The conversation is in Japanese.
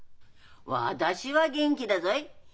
私は元気だぞい。